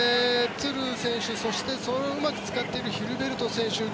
トゥル選手、そしてそれをうまく使っているヒルベルト選手。